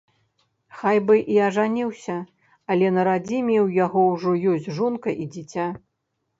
Хай бы і ажаніўся, але на радзіме ў яго ўжо ёсць жонка і дзіця.